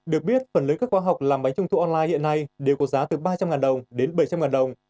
được biết phần lớn các khoa học làm bánh trung thu online hiện nay đều có giá từ ba trăm linh đồng đến bảy trăm linh đồng